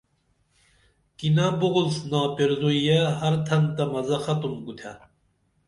کِنہ بُغُوس ناپیرزویہ ہر تھن تہ مزہ ختُم کُتھے